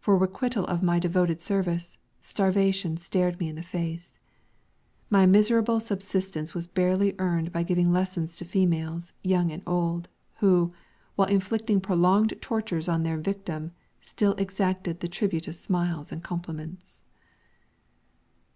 For requital of my devoted service, starvation stared me in the face. My miserable subsistence was barely earned by giving lessons to females, young and old, who, while inflicting prolonged tortures on their victim, still exacted the tribute of smiles and compliments.